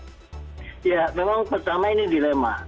ya memang pertama ini dilema